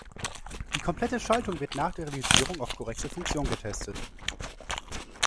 Die komplette Schaltung wird nach der Realisierung auf korrekte Funktion getestet.